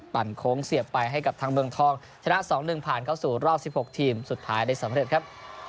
โค้งเสียบไปให้กับทางเมืองทองชนะ๒๑ผ่านเข้าสู่รอบ๑๖ทีมสุดท้ายได้สำเร็จครับ